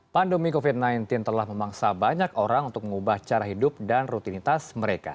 pandemi covid sembilan belas telah memaksa banyak orang untuk mengubah cara hidup dan rutinitas mereka